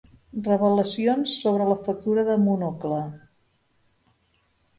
Revelacions sobre la factura de Monocle.